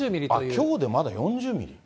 きょうでまだ４０ミリ？